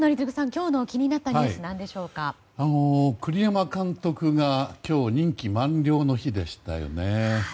今日の気になったニュースは栗山監督が今日、任期満了の日でしたよね。